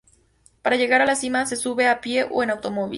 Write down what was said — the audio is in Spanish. Para llegar a la cima, se sube a pie o en automóvil.